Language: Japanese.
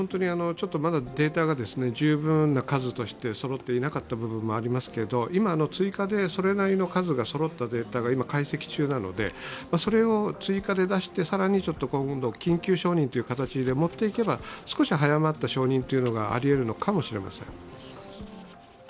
まだデータが十分な数としてそろっていなかったこともありますけど今、追加でそれなりの数がそろったデータを解析中なのでそれを追加で出して、更に緊急承認という形で持っていけば少し早まった承認というのがありえるかもしれません。